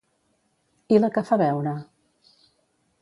I la que fa beure?